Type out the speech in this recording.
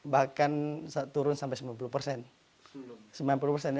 bahkan turun sampai sembilan puluh persen